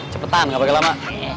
cepetan gak pakai lama